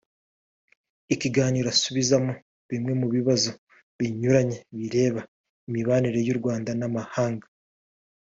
ikiganiro asubizamo bimwe mu bibazo binyuranye bireba imibanire y’u Rwanda n’amahanga